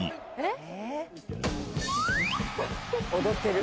踊ってる。